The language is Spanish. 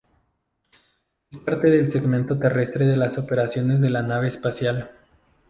Es parte del segmento terrestre de las operaciones de la nave espacial.